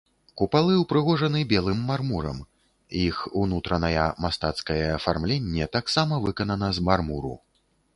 Купалы ўпрыгожаны белым мармурам, іх унутраная мастацкае афармленне таксама выканана з мармуру.